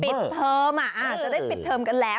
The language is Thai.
ปิดเทอมอาจจะได้ปิดเทอมกันแล้ว